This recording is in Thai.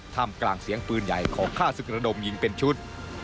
ทำกลางเสียงปืนใหญ่ของฆ่าศึกระดมยิงเป็นชุด